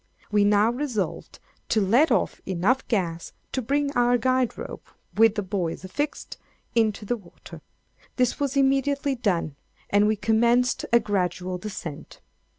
We now resolved to let off enough gas to bring our guide rope, with the buoys affixed, into the water. This was immediately done, and we commenced a gradual descent.